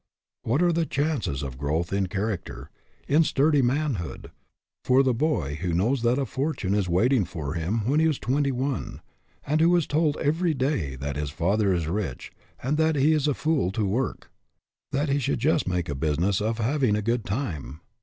What are the chances of growth in charac ter, in sturdy manhood, for the boy who knows that a fortune is waiting for him when he is twenty one, and who is told every day that his father is rich and that he is a fool to work ; that he should just make a business of having a good time